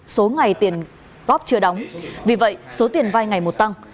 còn góp chưa đóng vì vậy số tiền vai ngày một tăng